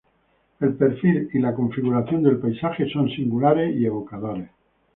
El perfil y la configuración del paisaje son singulares y evocadores.